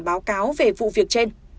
báo cáo về vụ việc trên